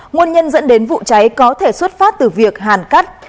nguồn nhân dẫn đến vụ cháy có thể xuất phát từ việc hàn cắt